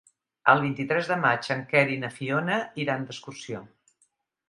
El vint-i-tres de maig en Quer i na Fiona iran d'excursió.